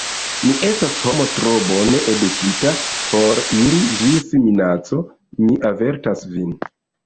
Mi estas homo tro bone edukita por iri ĝis minaco: mi avertas vin.